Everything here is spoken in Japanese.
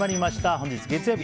本日、月曜日。